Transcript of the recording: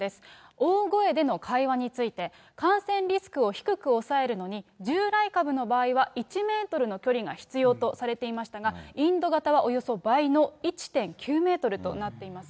大声での会話について、感染リスクを低く抑えるのに、従来株の場合は１メートルの距離が必要とされていましたが、インド型はおよそ倍の１．９メートルとなっています。